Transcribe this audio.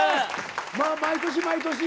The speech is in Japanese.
まあ毎年毎年。